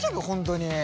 本当に。